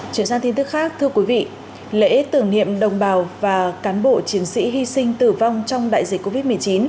chuyển sang tin tức khác thưa quý vị lễ tưởng niệm đồng bào và cán bộ chiến sĩ hy sinh tử vong trong đại dịch covid một mươi chín